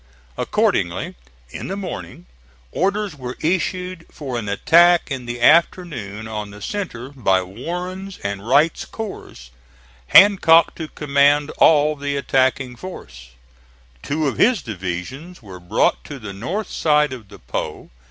Accordingly in the morning, orders were issued for an attack in the afternoon on the centre by Warren's and Wright's corps, Hancock to command all the attacking force. Two of his divisions were brought to the north side of the Po.